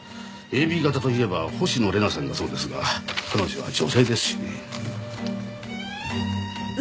ＡＢ型といえば星野玲奈さんがそうですが彼女は女性ですしね。